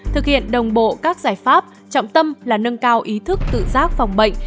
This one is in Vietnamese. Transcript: thực hiện đồng bộ các giải pháp trọng tâm là nâng cao ý thức tự giác phòng bệnh